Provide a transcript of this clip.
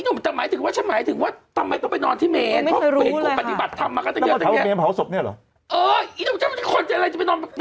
ก็รู้ไอ้นุ่งถ้าหมายถึงว่าทำไมต้องไปนอนที่เมน